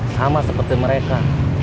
sama seperti mereka